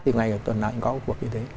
thì ngày tuần nào anh có cuộc như thế